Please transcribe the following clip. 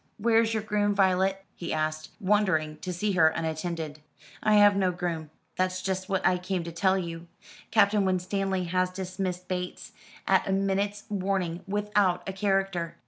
"Where's your groom, Violet?" he asked, wondering to see her unattended. "I have no groom. That's just what I came to tell you. Captain Winstanley has dismissed Bates, at a minute's warning, without a character."